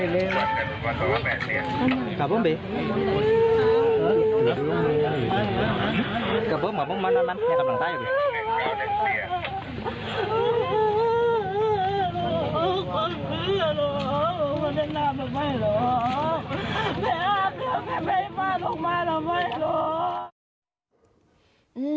แม่พระพระไม่ให้พระลูกมาเราไม่รู้